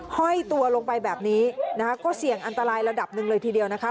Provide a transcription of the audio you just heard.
ห้อยตัวลงไปแบบนี้นะคะก็เสี่ยงอันตรายระดับหนึ่งเลยทีเดียวนะคะ